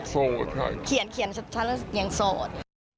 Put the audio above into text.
โสดค่ะเขียนฉันยังโสด